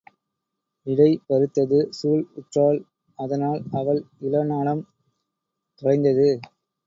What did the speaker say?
இடை பருத்தது சூல் உற்றாள் அதனால் அவள் இள நலம் தொலைந்தது.